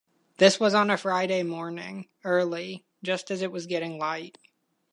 This was on a Friday morning, early — just as it was getting light.